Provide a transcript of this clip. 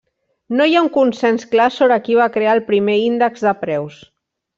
No hi ha un consens clar sobre qui va crear el primer índex de preus.